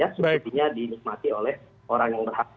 subsidinya dinikmati oleh orang yang berhak